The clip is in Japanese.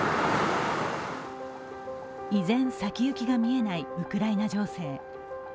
依然、先行きが見えないウクライナ情勢。